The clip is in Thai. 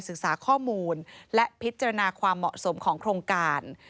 ศึกษาข้อมูลและพิจารณาความเหมาะสมของโครงการ